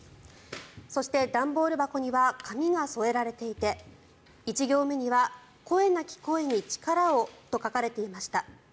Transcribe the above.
そして、段ボール箱には紙が添えられていて１行目には「声なき声に力を。」と書かれていました。